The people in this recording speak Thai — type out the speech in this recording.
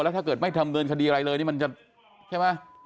ถ้าเกิดไม่ทำเนินคดีอะไรเลยนี่มันจะใช่ไหม